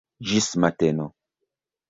Ĝis mateno.